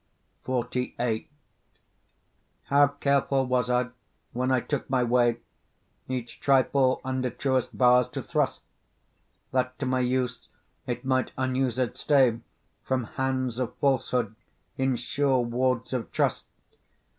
XLVIII How careful was I when I took my way, Each trifle under truest bars to thrust, That to my use it might unused stay From hands of falsehood, in sure wards of trust!